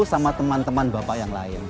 sama teman teman bapak yang lain